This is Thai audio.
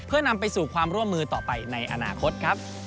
เพื่อนำไปสู่ความร่วมมือต่อไปในอนาคตครับ